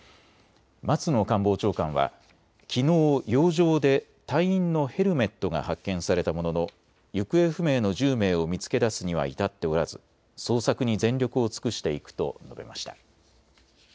松野官房長官はきのう洋上で隊員のヘルメットが発見されたものの行方不明の１０名を見つけ出すには至っておらず捜索に全力を尽くしていくと述べました。